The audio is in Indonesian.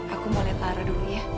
aku mau liat lara dulu ya